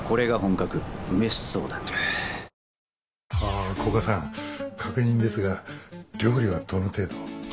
あ古賀さん確認ですが料理はどの程度？